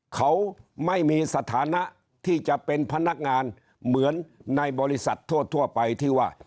เขาไม่มีสถานะที่จะเป็นพนักงานเหมือนในบริษัททั่วไปที่ว่า